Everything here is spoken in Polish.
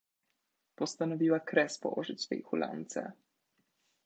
Postanowiła kres położyć tej hulance.